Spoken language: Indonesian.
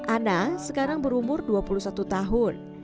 ana sekarang berumur dua puluh satu tahun